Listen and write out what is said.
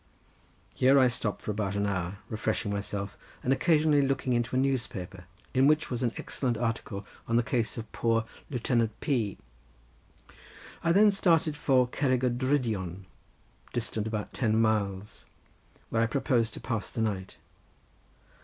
Here I stopped for about an hour refreshing myself and occasionally looking into a newspaper in which was an excellent article on the case of poor Lieutenant P. I then started for Cerrig y Drudion, distant about ten miles, where I proposed to pass the night.